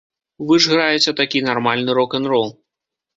Вы ж граеце такі нармальны рок-н-рол.